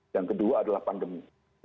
yang kedua adalah pandemi